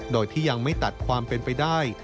โดยที่ยังไม่ตัดความเป็นไปได้